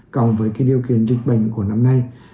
cộng với điều kiện dịch bệnh của năm nay